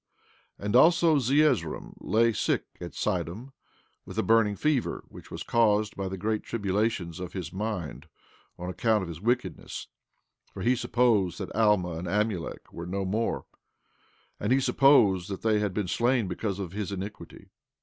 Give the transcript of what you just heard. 15:3 And also Zeezrom lay sick at Sidom, with a burning fever, which was caused by the great tribulations of his mind on account of his wickedness, for he supposed that Alma and Amulek were no more; and he supposed that they had been slain because of his iniquity.